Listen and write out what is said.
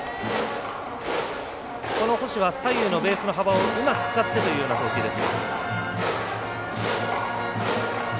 星は左右のベースの幅をうまくつかってという投球です。